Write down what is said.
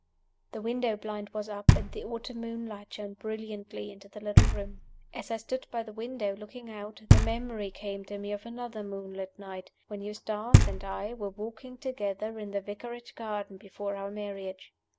The window blind was up, and the autumn moonlight shone brilliantly into the little room. As I stood by the window, looking out, the memory came to me of another moonlight night, when Eustace and I were walking together in the Vicarage garden before our marriage.